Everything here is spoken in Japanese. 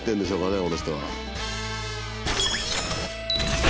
この人は。